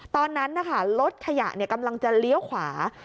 ตอนนั้นนะคะรถขยะกำลังจะเลี้ยวขวา